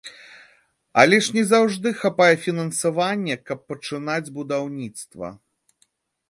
Але ж не заўжды хапае фінансавання, каб пачынаць будаўніцтва.